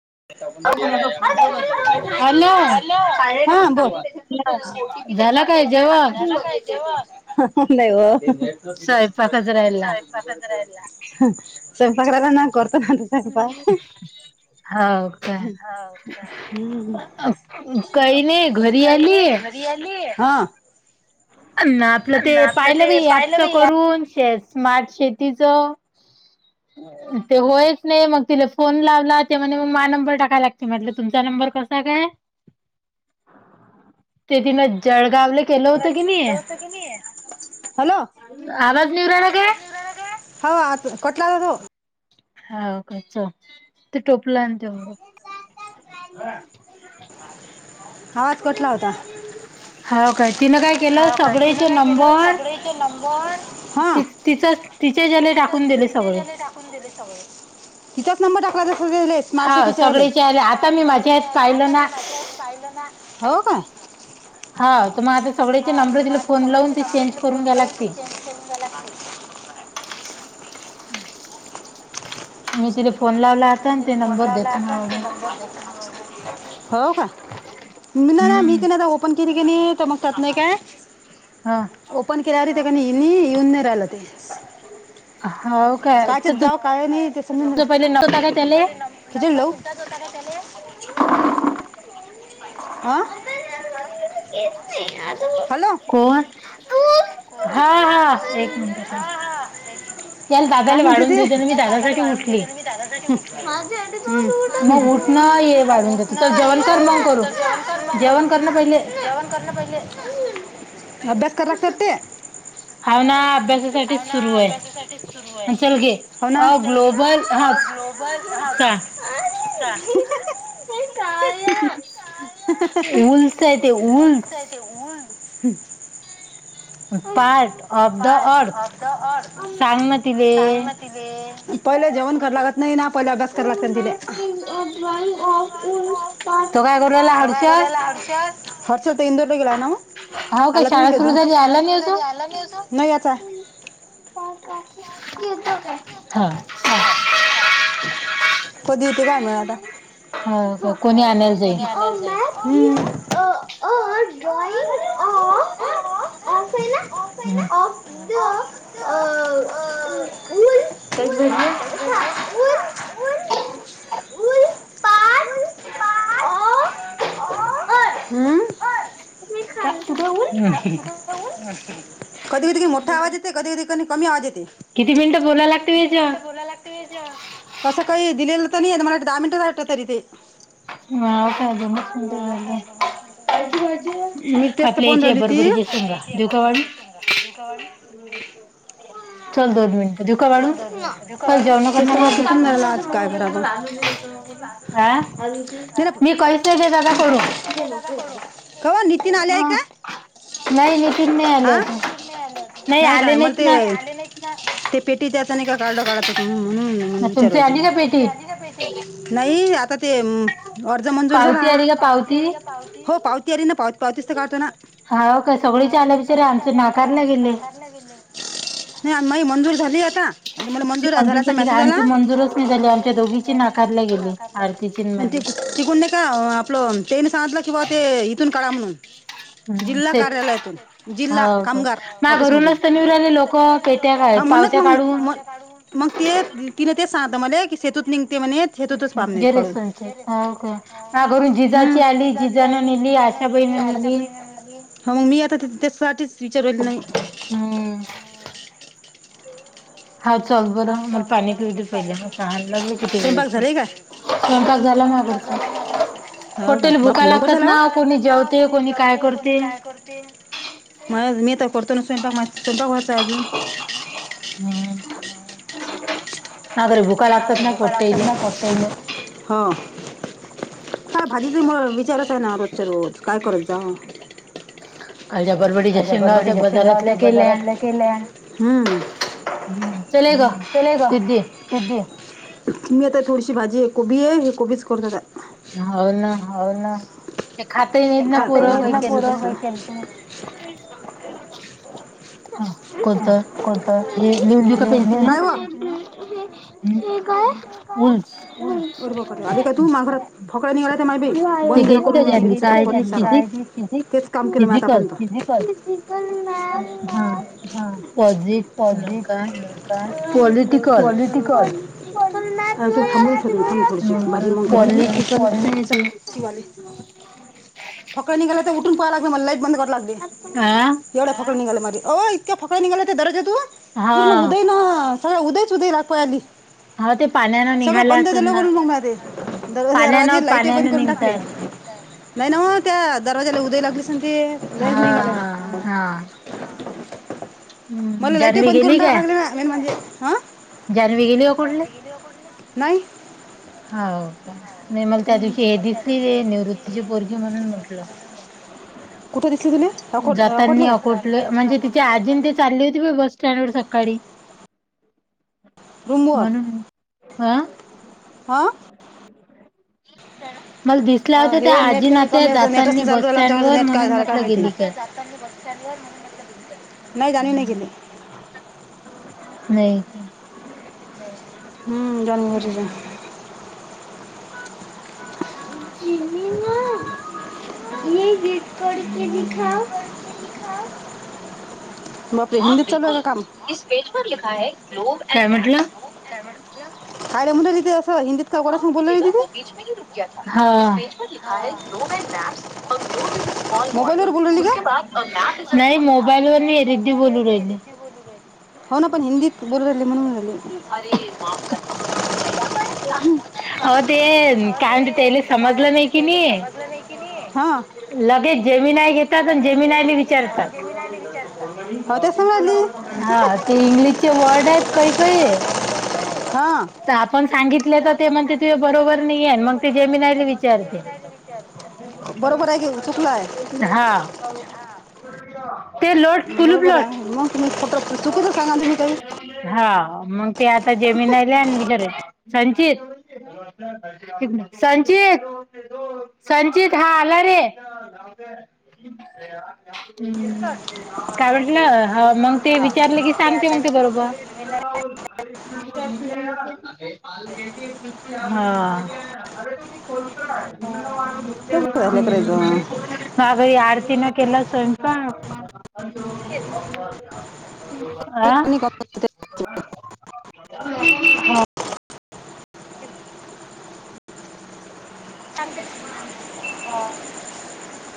[inaudible] ल त्या फत ओटीपी त्याच्या [unintelligible] नाहीव [unintelligible] स्वयंपाक राहिलाना करतो ना आता बा [unintelligible] अ [inaudible] हम्म अ काही नाही घरी आली हा [unintelligible] ना आपलं ते पाहिलं बी ॲपच करून शेअर्स स्मार्ट शेतीच ते होयच नाही मग तिला फोन लावला ते मग मा नंबर टाकायला लागते म्हटलं तुमचा नंब नंबर कसा काय ते तिनं जळगांवला केलं होतं की दऊत क नाही हलो [unintelligible] हो आता कटला ज तो होा का च ते टोपलं आणि तेवढं हा होा काय तिनं काय केलं सगळे्याचे नंबर त तिचं तिथ तिथे जेले टाकून दिले सगळे तिचाच नंबर टाकला जस स्मार्ट सिटीचाले ह सगळे आता मी माझ्या आत पाहिलं ना हो का हा त मा माझ सगळचे नंबर फोन लाऊन त चेंज करून जाला. हम् ममती ते मी तिला फोन लावला का ति नं ब हो का नाही नाही मी का नाही आता ओपन केली क नाही तर मगत नाही काय ओपन केल्या. इ येऊन नाही राहिलं ते कायत जा काय नाही त्यास मी खिच हा को हा हा एक मिनिट जरा त्याला दादाला वाढून देऊते मी दादासाठी उठली माझ मग नाही ये वाढून देत तर जेवण कर मग करू जेवण करण पहिले. हम् अभ्यास करलागतात ते हव ना अभ्यासासाठीच सुरू आहे चल घे ग्लोबल हा ग्लोबल हा का अहं अहं उल्स आहे ते ऊल्स. हम्म. पार्ट ऑफ द अर्थ सांग ना तिले? पहिले जेवण कर लागत नाही ना? तो काय करू ला हर्षद. हर्ष तर इंदोरला गेलाय ना मग आला तु केेतो शाळा सुरु झाली आला नाही, नाही आता कधी? तिथे काय म्हण आता कोणी आणायला जाईल? ड्रॉईंग ऑफ ऑफ आहे ना ऑफ द कस म्हज उल ल पाठ पाच अ हम्म. कुठे ऊन अहं हूं. कधी कधी की मोठा आवाज येते कधी कधी की कमी आवाज ये किती मिनट बोला लाग क काही दिले तनी दहा मिनट तरी ते ह काज म झा [unintelligible] मी त्यायस्त पोंढवली ती आपल्या हित बरबड्याची शेंगा देवू का वाढून? चल दोन मिनिटं देवू का वाढून फ जेवण कर म हा. मी कैसे ते दबा करू नाही नीती हा नाही काय मला ते ते पेटीच्या आता नाही का कार्ड काढत. म्हणून विचारय नाही आता ते अर्ज मंजूर झाला. हो पावती आली काना पा पावतीस तर काढतो ना. हा का सगळी चाले तर र आमच नाकारलं गेले. नाही मा मंजूर झाली आता मंजूर झाल्याचा मेसेज आला मंजूर तिकून का आपलं तेन सांधलं किंवा ते इथून करा म्हणून. जिल्हा कार्यालयातून, जिल्हा कामगार ऑफिस मधून भरूनच नेऊन राहिली लोक, म्हणून मगं तीन तेच सांगितलं मले सेतू ते म्हणे सेतूतच [unintelligible] काढून. हम्म. [unintelligible] आशा बई न नेली. हो मग मी आता त्यासाठीच विचारलेल नाही. स्वयंपाक झाले का? स्वयंपाक झालं ना. हो का भुका लागतात ना. कोणी जेवते कोणी काय करते. मी तर [inaudible] स्नेट ऑफ व्हायचं अजून भुका लागतात ना [unintelligible] का भाजीच म विचारच ना? च काय करत जा बरबडीच्याशेंगा होत्या बाजारातल्या केल्या. हम्म चल ये ग दीदी. की मी आता थोडीशी भाजी आहे कोबी आहे, हे कोबीच करत का? हो ना [unintelligible] [inaudible] कोणत? अध काय तू माग फकड निघाला ते माय बा बंद करून टप्प दि तेच काम केलं म आता आपण. [inaudible] [inaudible] ली फकड निघाला तर उठून पाहावं लागते मला लाईट बंद करा लागते. एवढ्या फकण निघाला म अ इतक्या फकड निघाले ते दरज तू पूर्ण होईन सग होच होै लाग प आली. सगळं बंद झालं करून मग माझे दर दरवाजे लाइटे बंद करून टाकले. ह. नाही ना म त्या दरवाजाला उदय लागली ते. नाही नाही ग. मला लाईटे बंद करून टायला लागली ना म म्हणजे ह. जानवी गेली का कुठले? नाही. हो का? नाही मग त्या दिवशी हे दिसली रे निवृत्तीची पोरगी म्हणून म्हंटलं. जातानी अकुटलं म्हणजे तिचे आजीन ते चालली होती बा बस स्टँड वर सकाळी. [unintelligible] म्हणून हा. हां. [unintelligible] [inaudible] अ हे नेट ककमी अस नेटच नाही लू राहिल आमच्याकच नेट काय झालं माहिती. नाही जानवी नाही गेली. हम्म! [inaudible] जिमी ना इ गत क कती खाव हा हा बिलकुल पेज लिखा ह ग्लोब ह म्हटला अरे मुठ बीच रुक प लिखा आहे ग्ोबल मॅप्स फॉर ग्लो बिझस मॉॉ नाही मोबाईल व मी ए रिडी बोलू रहिली हो ना पण हिंदीत बोलू राली म्हणूनली हो ते कॅट टैलस समजलं नाही क निी लगेज जेम नाही ज वड का का आपण सग म्हणते तु बरोबर नाही मग ते जेमीनयला विचारते हा ते लॉट कुलूप लॉट हा मग ते आता जमीन आले आणि बचरे संचित संचित संचित हा आला रे [unintelligible] हम् काय म्हटलं मग ते विचारलं की सांगते मग ते बरोबर [unintelligible] हा हम्म मग याड तन केला स्वयंपा आं